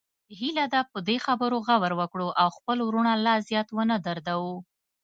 هیله ده په دې خبرو غور وکړو او خپل وروڼه لا زیات ونه دردوو